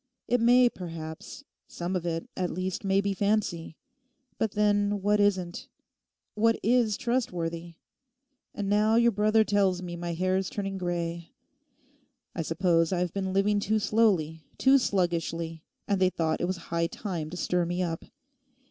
It may perhaps—some of it at least may be fancy. But then, what isn't? What is trustworthy? And now your brother tells me my hair's turning grey. I suppose I have been living too slowly, too sluggishly, and they thought it was high time to stir me up.